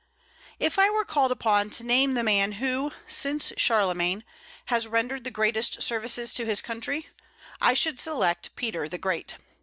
If I were called upon to name the man who, since Charlemagne, has rendered the greatest services to his country, I should select Peter the Great.